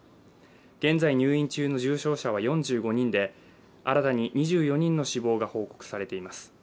現在入院中の重症者は４５人で、新たに２４人の死亡が報告されています。